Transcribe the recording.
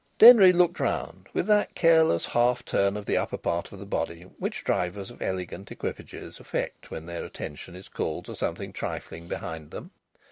Denry looked round with that careless half turn of the upper part of the body which drivers of elegant equipages affect when their attention is called to something trifling behind them.